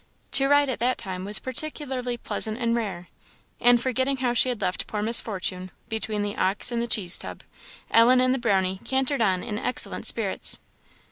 To ride at that time was particularly pleasant and rare; and, forgetting how she had left poor Miss Fortune, between the ox and the cheese tub, Ellen and the Brownie cantered on in excellent spirits.